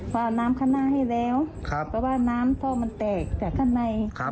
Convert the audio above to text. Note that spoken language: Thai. ว่าน้ำข้างหน้าให้แล้วเพราะว่าน้ำท่อมันแตกจากข้างใน